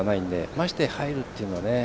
まして、入るというのはね。